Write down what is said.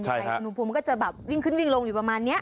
มันก็จะแบบวิ่งขึ้นวิ่งลงอยู่ประมาณนี้